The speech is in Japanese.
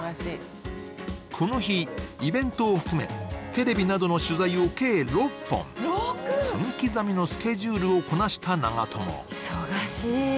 この日、イベントを含めテレビなどの取材を計６本、分刻みのスケジュールをこなした長友。